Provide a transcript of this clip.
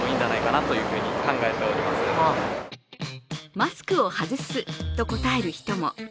「マスクを外す」と答える人も。